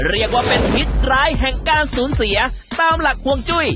เรียกว่าเป็นพิษร้ายแห่งการสูญเสียตามหลักห่วงจุ้ย